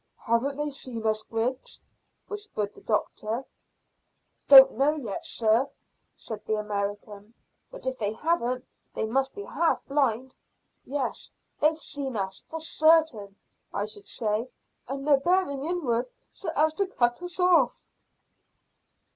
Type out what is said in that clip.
"Haven't they seen us, Griggs?" whispered the doctor. "Don't know yet, sir," said the American, "but if they haven't they must be half blind. Yes, they've seen us, for certain, I should say, and they're bearing inward so as to cut us off."